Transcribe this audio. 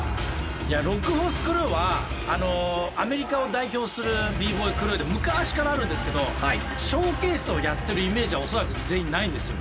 いやロック・フォース・クルーはアメリカを代表するＢ−ＢＯＹクルーで昔からあるんですけどショーケースをやってるイメージは恐らく全員ないんですよね。